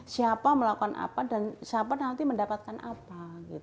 siapa melakukan apa dan siapa nanti mendapatkan apa